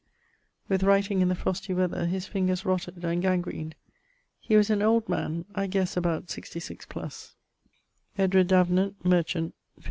With writing in the frostie weather his fingers rotted and gangraened. He was an old man; I guesse about 66 +. =Edward Davenant=, merchant (15..